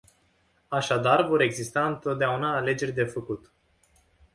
Așadar vor exista întotdeauna alegeri de făcut.